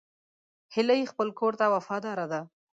هیلۍ خپل کور ته وفاداره ده